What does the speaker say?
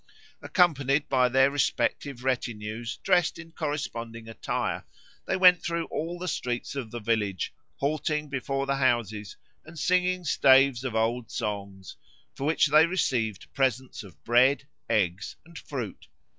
Accompanied by their respective retinues dressed in corresponding attire, they went through all the streets of the village, halting before the houses and singing staves of old songs, for which they received presents of bread, eggs, and fruit.